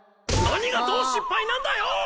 何がどう失敗なんだよ！